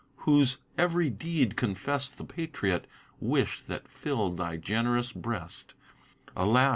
whose ev'ry deed confest The patriot wish that fill'd thy generous breast: Alas!